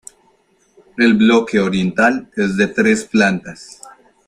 El bloque oriental es de tres plantas.